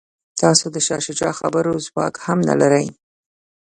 تاسو د شاه شجاع خبرو ځواک هم نه لرئ.